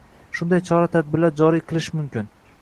Shunday chora-tadbirlar joriy qilish mumkin